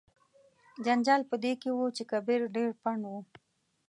جنجال په دې کې و چې کبیر ډیر پنډ و.